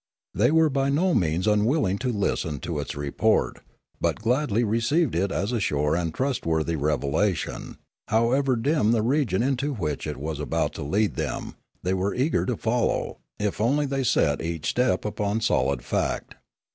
They were by no means unwilling to listen to its re port, but gladly received it as a sure and trustworthy revelation; however dim the region into which it was about to lead them, they were eager to follow, if only they set each step upon solid fact.